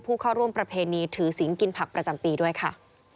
เข้าร่วมประเพณีถือสิงกินผักประจำปีด้วยค่ะ